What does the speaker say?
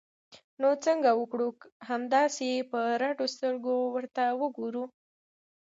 نو څه وکړو؟ همداسې په رډو سترګو ورته وګورو!